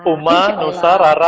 uma nusa rara